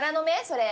それ。